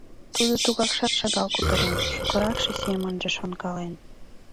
Тудо тугакшат шагал кутырен, шукыракше семынже шонкален.